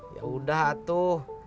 ya udah atuh